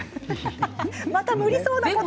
また無理そうなことを。